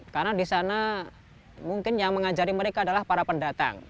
karena di sana mungkin yang mengajari mereka adalah para pendatang